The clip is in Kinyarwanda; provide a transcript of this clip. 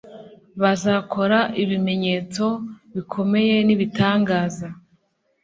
bazakora ibimenyetso bikomeye n'ibitangaza